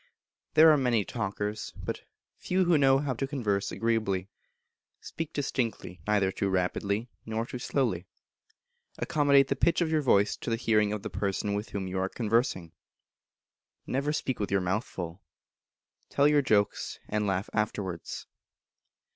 There are many talkers, but few who know how to converse agreeably. Speak distinctly, neither too rapidly nor too slowly. Accommodate the pitch of your voice to the hearing of the person with whom you are conversing. Never speak with your mouth full. Tell your jokes, and laugh afterwards.